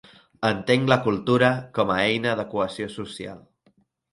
Entenc la cultura com a eina de cohesió social.